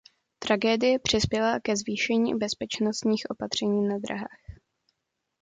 Tragédie přispěla ke zvýšení bezpečnostních opatření na drahách.